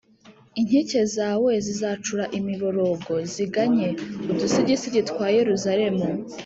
Inkike zawe zizacura imiborogo, ziganye, Udusigisigi twa Yeruzalemu